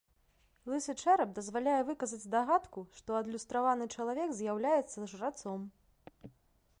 Лысы чэрап дазваляе выказаць здагадку, што адлюстраваны чалавек з'яўляецца жрацом.